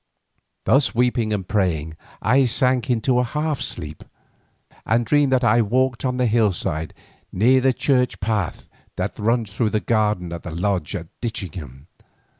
Thus weeping and praying I sank into a half sleep, and dreamed that I walked on the hillside near the church path that runs through the garden of the Lodge at Ditchingham.